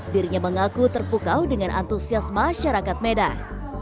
dirinya mengaku terpukau dengan antusias masyarakat medan